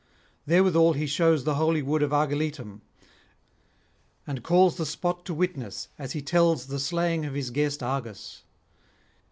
Therewithal he shows the holy wood of Argiletum, and calls the spot to witness as he tells the slaying of his guest Argus.